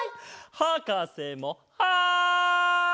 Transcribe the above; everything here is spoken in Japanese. はかせもはい！